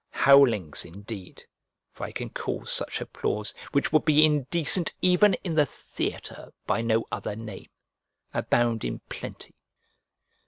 Howlings indeed (for I can call such applause, which would be indecent even in the theatre, by no other name) abound in plenty.